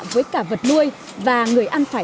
với cả vật nuôi và người ăn phải